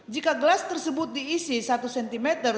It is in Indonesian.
jika gelas tersebut diisi satu cm